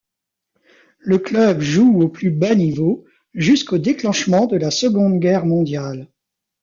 Le club joue au plus bas niveau jusqu'au déclenchement de la Seconde Guerre mondiale.